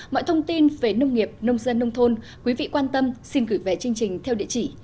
mọi thông tin về nông nghiệp nông dân nông thôn quý vị quan tâm xin gửi về chương trình theo địa chỉ